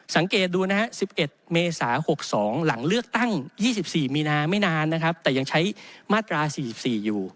สังเกตดูนะฮะ๑๑เมษา๖๒หลังเลือกตั้ง๒๔มีนาไม่นานนะครับแต่ยังใช้มาตรา๔๔อยู่